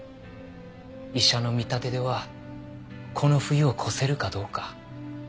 医者の見立てではこの冬を越せるかどうか。